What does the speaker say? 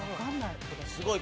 すごい。